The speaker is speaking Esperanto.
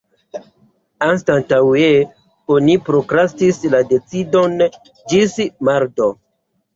Anstataŭe oni prokrastis la decidon ĝis marto.